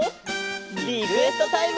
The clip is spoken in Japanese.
リクエストタイム！